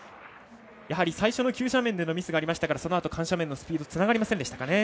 やはり最初の急斜面でのミスがありましたからそのあと、緩斜面のスピードつながりませんでしたか。